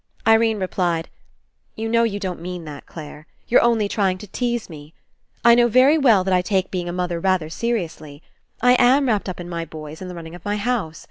Irene replied: "You know you don't mean that, Clare. You're only trying to tease me. I know very well that I take being a mother rather seriously, I am wrapped up in my boys and the running of my house.